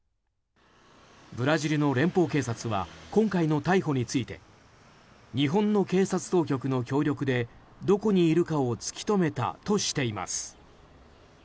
ブラジルの連邦警察は今回の逮捕について日本の警察当局の協力でどこにいるかを突き止めたとしています。